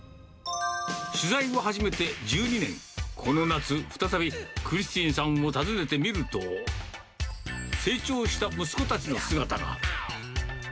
取材を始めて１２年、この夏、再びクリスティンさんを訪ねてみると、成長した息子たちの姿が。